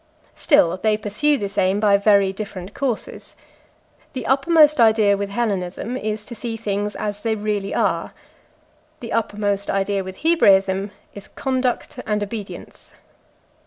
Still, they pursue this aim by very different courses. The uppermost idea with Hellenism is to see things as they really are; the uppermost idea with Hebraism is conduct and obedience.